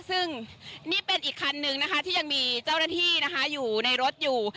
ซึ่งนี่เป็นอีกคันนึงนะคะที่ยังมีเจ้าหน้าที่นะคะอยู่ในรถอยู่